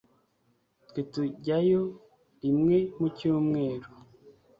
twe tujyayo rimwe mu cyumweru